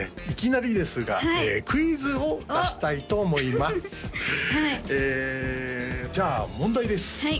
いきなりですがクイズを出したいと思いますえじゃあ問題です